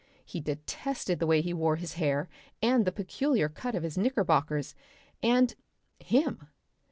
He detested the way he wore his hair and the peculiar cut of his knickerbockers and him.